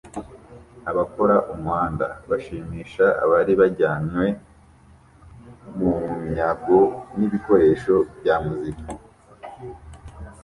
Abakora umuhanda bashimisha abari bajyanywe bunyago nibikoresho bya muzika